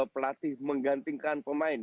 pelatih menggantikan pemain